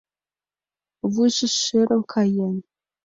Вуйжо шӧрын каен.